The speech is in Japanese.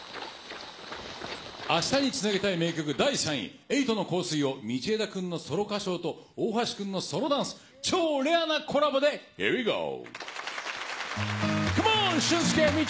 明日につなげたい名曲、第３位、瑛人の香水を、道枝君のソロ歌唱と、大橋君のソロダンス、超レアなコラボでヒア・ウィ・ゴー。